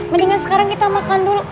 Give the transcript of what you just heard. mendingan sekarang kita makan dulu